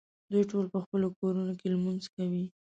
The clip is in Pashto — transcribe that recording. دوی ټول په خپلو کورونو کې لمونځ کوي.